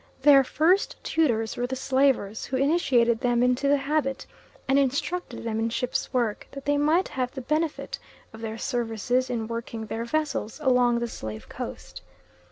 Their first tutors were the slavers, who initiated them into the habit, and instructed them in ship's work, that they might have the benefit of their services in working their vessels along the Slave Coast.